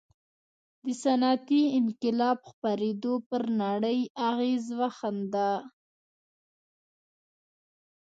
د صنعتي انقلاب خپرېدو پر نړۍ اغېز وښند.